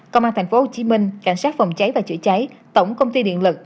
công an tp hcm cảnh sát phòng cháy và chữa cháy tổng công ty điện lực